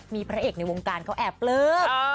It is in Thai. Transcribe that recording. มีพระเอกในวงการเขาแอบปลื้ม